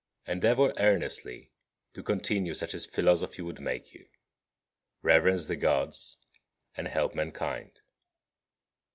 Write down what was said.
Endeavour earnestly to continue such as philosophy would make you. Reverence the Gods, and help mankind.